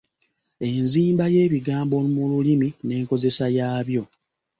Enzimba yebigambo mu lulimi n’enkozesa yabyo.